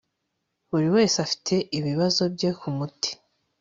buri wese afite ibibazo bye k'umuti